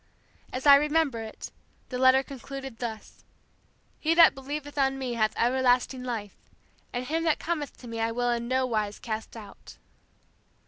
As I remember it, the letter concluded thus: 'He that believeth on Me hath everlasting life, and him that cometh to Me I will in no wise cast out!'"